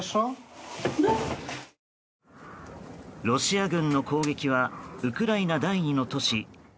ロシア軍の攻撃はウクライナ第２の都市